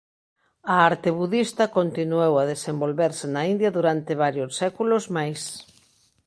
A arte budista continuou a desenvolverse na India durante varios séculos máis.